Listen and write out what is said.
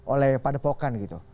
oleh pak depokan gitu